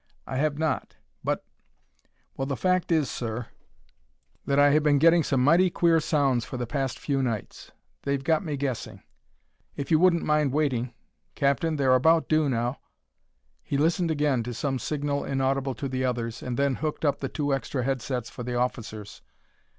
I have not; but ... well, the fact is, sir, that I have been getting some mighty queer sounds for the past few nights. They've got me guessing. "If you wouldn't mind waiting. Captain; they're about due now " He listened again to some signal inaudible to the others, then hooked up two extra head sets for the officers.